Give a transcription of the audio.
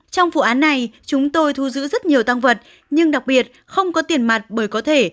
trong vụ án này chúng tôi thu giữ rất nhiều tăng vật nhưng đặc biệt không có tiền mặt bởi có thể